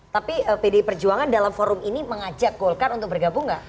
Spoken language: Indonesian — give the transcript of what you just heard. tapi pdi perjuangan dalam forum ini mengajak golkar untuk bergabung gak